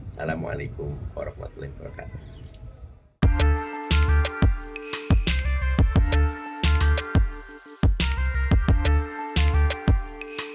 assalamualaikum warahmatullahi wabarakatuh